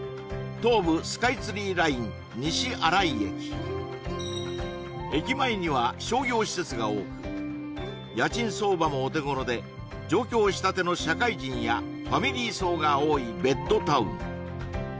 東武スカイツリーライン西新井駅駅前には商業施設が多く家賃相場もお手頃で上京したての社会人やファミリー層が多いベッドタウン